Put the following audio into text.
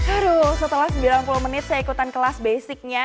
aduh setelah sembilan puluh menit saya ikutan kelas basicnya